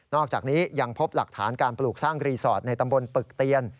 อกจากนี้ยังพบหลักฐานการปลูกสร้างรีสอร์ทในตำบลปึกเตียน